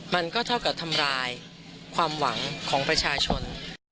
มันก็เท่ากับทำลายความหวังของประชาชน